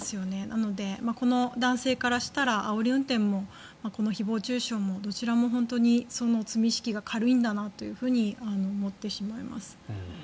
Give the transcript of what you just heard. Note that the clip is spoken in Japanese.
なので、この男性からしたらあおり運転もこの誹謗・中傷もどちらも本当に罪意識が軽いんだなと思ってしまいます。